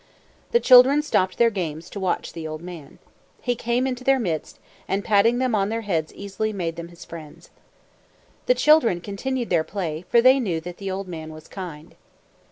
The children stopped their games to watch the old man. He came into their midst, and patting them upon their heads easily made them his friends. The children continued their play, for they knew that the old man was kind.